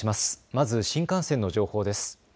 まず新幹線の情報です。